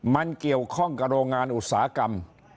มันเกี่ยวข้องกับโรงงานอุตสาหกรรม